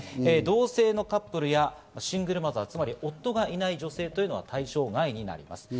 同性のカップルやシングルマザー、つまり夫がいない女性は対象外になります。